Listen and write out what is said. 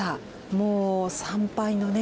もう参拝のね